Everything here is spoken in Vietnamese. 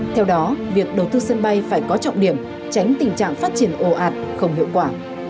theo đó việc đầu tư sân bay phải có trọng điểm tránh tình trạng phát triển ồ ạt không hiệu quả